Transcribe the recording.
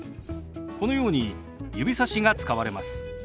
このように指さしが使われます。